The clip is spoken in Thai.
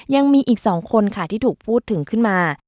ยังมีอีก๒คนค่ะที่ถูกพูดถึงขึ้นมา